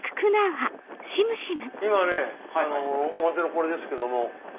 今ね表のこれですけども。